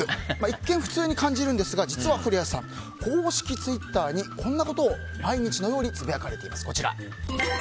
一見、普通に感じるんですが実は古谷さん公式ツイッターにこんなことを毎日のようにつぶやかれています。